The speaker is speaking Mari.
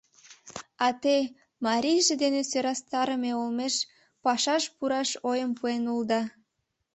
А те, марийже дене сӧрастарыме олмеш, пашаш пураш ойым пуэн улыда.